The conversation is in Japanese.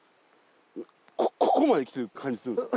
ここまで来てる感じするんですよ